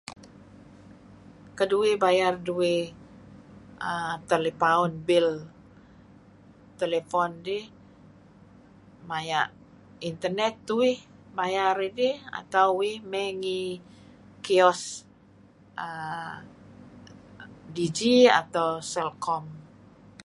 Uih mayr telephone bill maya' internet tuih. Atau uih may ngi kios. uhm Digi atau Celcom.